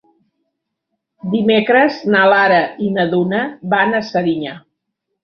Dimecres na Lara i na Duna van a Serinyà.